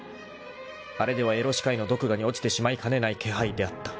［あれではエロ歯科医の毒牙に落ちてしまいかねない気配であった］